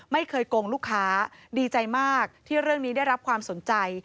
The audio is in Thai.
ไม่เคยโกงลูกค้าดีใจมากที่เรื่องนี้ได้รับความสนใจ